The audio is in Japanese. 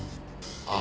あ！